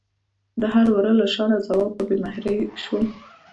د هر وره له شانه ځواب په بې مهرۍ شوم